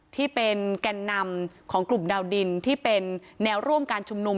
ที่เป็นแก่นนำของกลุ่มดาวดินที่เป็นแนวร่วมการชุมนุม